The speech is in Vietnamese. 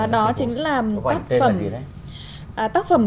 đó chính là tác phẩm